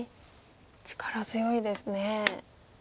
力強いですね。